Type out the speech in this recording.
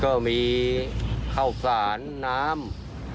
ก็มีข้าวสารน้ำ